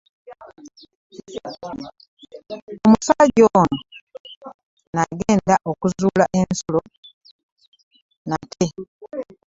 Omusajja ono n'agenda okuzuula ensulo nate.